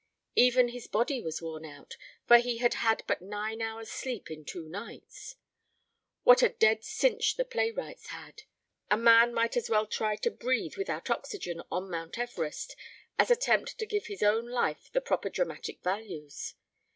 Even his body was worn out, for he had had but nine hours' sleep in two nights. What a dead cinch the playwrights had. A man might as well try to breathe without oxygen on Mount Everest as attempt to give his own life the proper dramatic values.